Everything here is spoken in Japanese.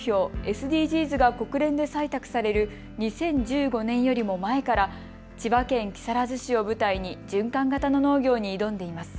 ・ＳＤＧｓが国連で採択される２０１５年よりも前から千葉県木更津市を舞台に循環型の農業に挑んでいます。